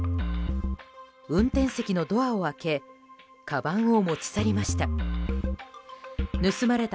運転席のドアを開けかばんを持ち去りました。